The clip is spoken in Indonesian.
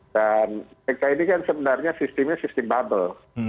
dan mereka ini kan sebenarnya sistemnya sistem bubble